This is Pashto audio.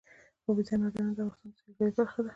اوبزین معدنونه د افغانستان د سیلګرۍ برخه ده.